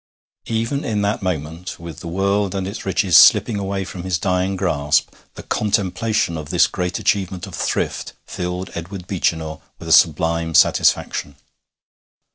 Even in that moment, with the world and its riches slipping away from his dying grasp, the contemplation of this great achievement of thrift filled Edward Beechinor with a sublime satisfaction.